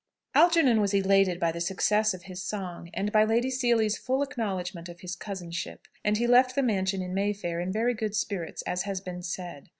Algernon was elated by the success of his song, and by Lady Seely's full acknowledgment of his cousinship, and he left the mansion in Mayfair in very good spirits, as has been said.